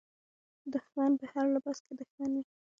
دښمن په هر لباس کې دښمن وي.